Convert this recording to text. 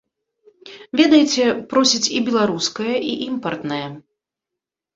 Ведаеце, просяць і беларускае, і імпартнае.